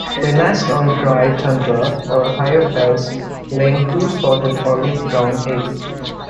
They nest on dry tundra or higher fells laying two spotted olive-brown eggs.